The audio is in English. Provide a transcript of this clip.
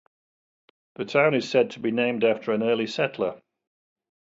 The town is said to be named after an early settler.